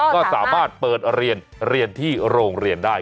ก็สามารถเปิดเรียนเรียนที่โรงเรียนได้